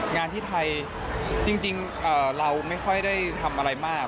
งานที่ไทยจริงเราไม่ค่อยได้ทำอะไรมาก